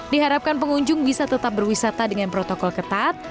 diharapkan pengunjung bisa tetap berwisata dengan protokol ketat